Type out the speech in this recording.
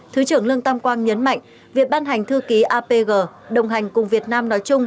thứ trưởng lương tam quang nhấn mạnh việc ban hành thư ký apg đồng hành cùng việt nam nói chung